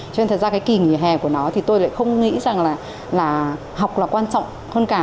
cho nên thật ra cái kỳ nghỉ hè của nó thì tôi lại không nghĩ rằng là học là quan trọng hơn cả